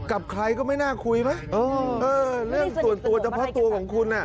กับใครก็ไม่น่าคุยไหมเออเออเรื่องส่วนตัวเฉพาะตัวของคุณอ่ะ